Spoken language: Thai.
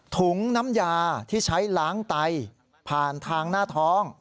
ถุงน้ำยาที่ใช้ล้างไตผ่านทางหน้าท้อง